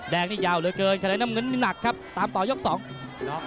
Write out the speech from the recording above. แดงนี่ยาวเลยเกินแคลน้ำเงินหนึ่งหนักครับตามต่อยก๒